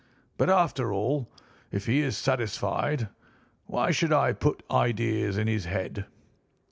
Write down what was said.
But, after all, if he is satisfied, why should I put ideas in his head?"